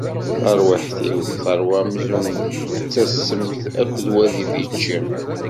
Tarwiḥt-iw teṛwa amzun d tassemt akked wadif i ččiɣ.